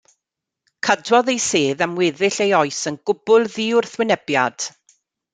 Cadwodd ei sedd am weddill ei oes yn gwbl ddiwrthwynebiad.